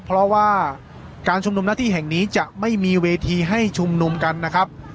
เพราะว่าการชุมนุมหน้าที่แห่งนี้จะไม่มีเวทีให้ชุมนุมกันนะครับ